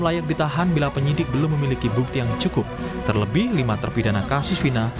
layak ditahan bila penyidik belum memiliki bukti yang cukup terlebih lima terpidana kasus fina